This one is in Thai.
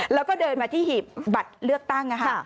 แล้วก็เดินมาที่หีบบัตรเลือกตั้ง